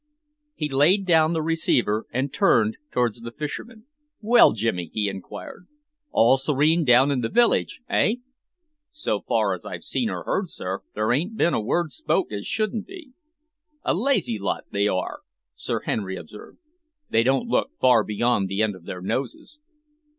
He laid down the receiver and turned towards the fisherman. "Well, Jimmy," he enquired, "all serene down in the village, eh?" "So far as I've seen or heard, sir, there ain't been a word spoke as shouldn't be." "A lazy lot they are," Sir Henry observed. "They don't look far beyond the end of their noses."